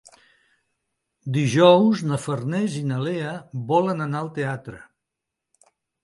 Dijous na Farners i na Lea volen anar al teatre.